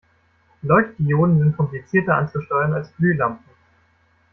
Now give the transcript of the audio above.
Leuchtdioden sind komplizierter anzusteuern als Glühlampen.